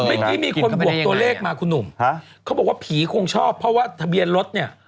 เมื่อกี้มีคนบวกตัวเลขมาคุณหนุ่มฮะเขาบอกว่าผีคงชอบเพราะว่าทะเบียนรถเนี่ย